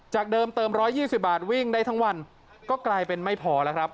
จากเดิมเติมร้อยยี่สิบบาทวิ่งได้ทั้งวันก็กลายเป็นไม่พอแล้วครับ